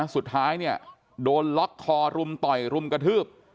สุดท้ายเนี่ยโดนล็อกคอรุมต่อยรุมกระทืบ